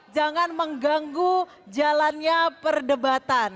jangan mengganggu jalannya perdebatan